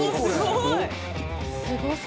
すごい！